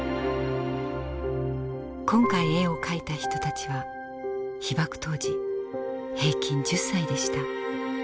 今回絵を描いた人たちは被爆当時平均１０歳でした。